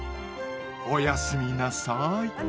おやすみなさい。